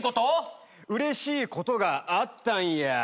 うれしいことがあったんや。